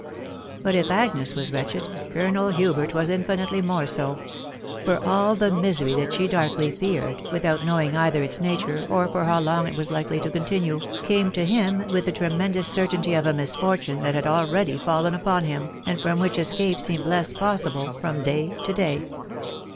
But if Agnes was wretched, Colonel Hubert was infinitely more so ; for all the misery that she darkly feared, without knowing either its nature or for how long it was likely to con tinue, came to him with the tremendous certainty of a misfor tune that had already fallen upon him, and from which escape seemed less possible from day to day.